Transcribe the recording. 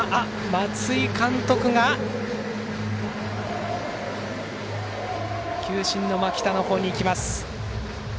松井監督が球審の牧田のほうに行きます。